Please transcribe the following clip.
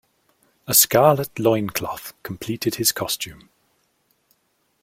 A scarlet loincloth completed his costume.